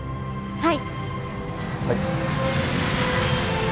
はい。